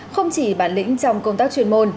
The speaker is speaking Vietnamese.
không chỉ bản lĩnh trong công tác chuyên môn